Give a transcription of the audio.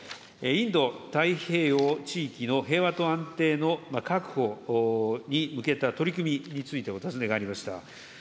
インド太平洋地域の平和と安定の確保に向けた取り組みについてお尋ねがありました。